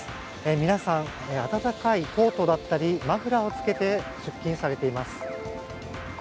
皆さん、温かいコートだったりマフラーを着けて出勤されています。